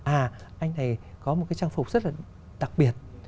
à anh thầy có một cái trang phục rất là đặc biệt